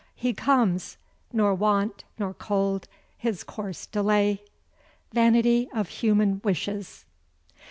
He comes, nor want, nor cold, his course delay. VANITY OF HUMAN WISHES.